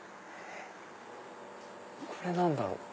これ何だろう？